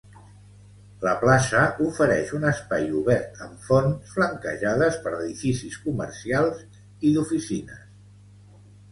La plaça ofereix un espai obert amb fonts flanquejades per edificis comercials i d'oficines.